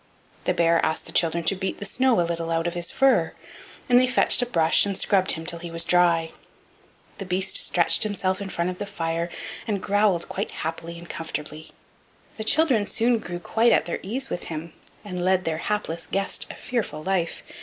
The bear asked the children to beat the snow a little out of his fur, and they fetched a brush and scrubbed him till he was dry. Then the beast stretched himself in front of the fire, and growled quite happily and comfortably. The children soon grew quite at their ease with him, and led their helpless guest a fearful life.